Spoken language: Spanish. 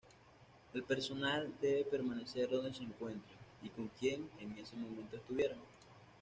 El personal debe permanecer donde se encuentren -y con quien en ese momento estuvieran-.